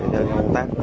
để công tác